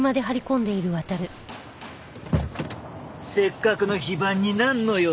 せっかくの非番になんの用だ？